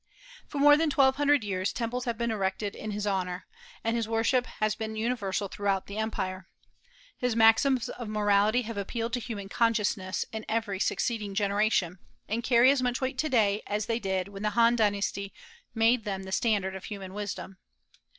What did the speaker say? For more than twelve hundred years temples have been erected to his honor, and his worship has been universal throughout the empire. His maxims of morality have appealed to human consciousness in every succeeding generation, and carry as much weight to day as they did when the Han dynasty made them the standard of human wisdom.